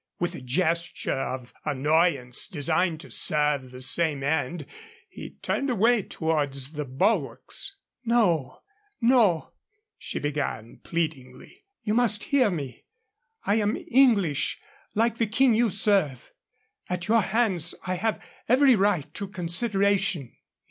With a gesture of annoyance designed to serve the same end, he turned away towards the bulwarks. "No, no," she began, pleadingly; "you must hear me. I am English, like the King you serve. At your hands I have every right to consideration."